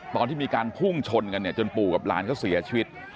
ตอนที่มีการพุ่งชนกันเนี่ยจนปู่กับหลานเขาเสียชีวิต